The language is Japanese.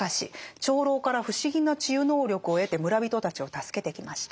長老から不思議な治癒能力を得て村人たちを助けてきました。